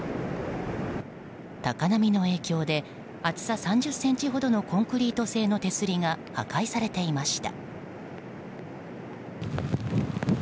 高波の影響で厚さ３０ｃｍほどのコンクリート製の手すりが破壊されていました。